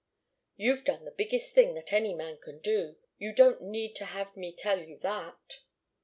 "You've done the biggest thing that any man can do. You don't need to have me tell you that."